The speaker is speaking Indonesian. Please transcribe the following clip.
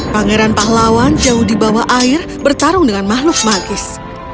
pangeran pahlawan jauh di bawah air bertarung dengan makhluk magis